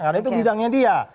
karena itu bidangnya dia